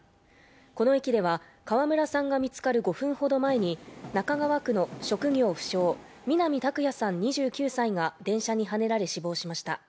この駅では、川村さんが見つかる５分ほど前に中川区の職業不詳、南拓哉さん２９歳が電車にはねられ死亡しました。